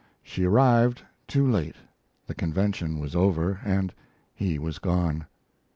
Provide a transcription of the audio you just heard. She arrived too late; the convention was over, and he was gone.